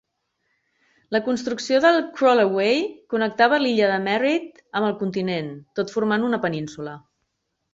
La construcció del Crawlerway connectava l'illa de Merrit amb el continent, tot formant una península.